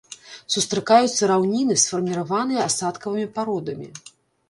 Сустракаюцца раўніны, сфарміраваныя асадкавымі пародамі.